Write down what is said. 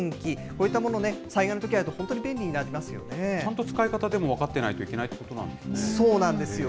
こういったものね、災害のときにちゃんと使い方、でも、分かってないといけないということなんですね。